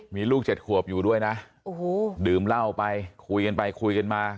มีลูก๗ขวบอยู่ด้วยนะโอ้โหดื่มเหล้าไปคุยกันไปคุยกันมา